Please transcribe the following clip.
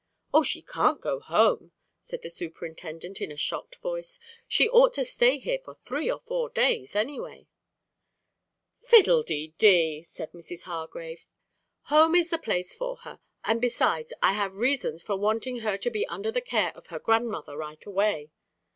"Oh, she can't go home," said the superintendent in a shocked voice. "She ought to stay here for three or four days anyway." "Fiddle dee dee!" said Mrs. Hargrave. "Home is the place for her, and besides I have reasons for wanting her to be under the care of her grandmother right away."